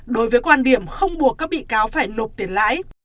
đối với quan điểm không buộc các bị cáo phải nộp tiền lãi